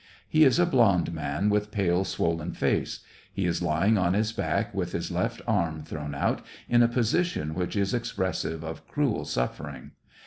He is a blond man with pale, swollen face. He is lying on his back, with his left arm thrown out, in a position which is expressive of cruel suffering.